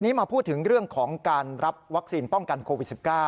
มาพูดถึงเรื่องของการรับวัคซีนป้องกันโควิด๑๙